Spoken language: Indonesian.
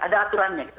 ada aturannya gitu